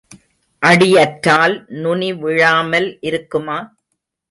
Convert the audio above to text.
அடி அற்றால் நுனி விழாமல் இருக்குமா?